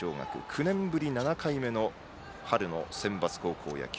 ９年ぶり７回目の春のセンバツ高校野球。